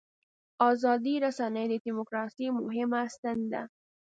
ازادې رسنۍ د دیموکراسۍ مهمه ستن ده.